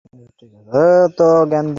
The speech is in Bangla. এত জ্ঞান দিয়ো না।